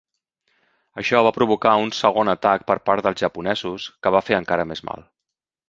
Això va provocar uns segon atac per part dels japonesos que va fer encara més mal.